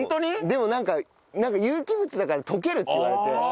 でもなんか有機物だから溶けるって言われて。